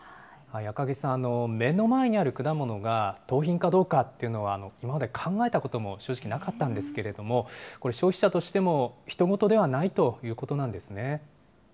赤木さん、目の前にある果物が盗品かどうかっていうのは、今まで考えたことも正直、なかったんですけれども、これ、消費者としてもひと事ではないということなんですね。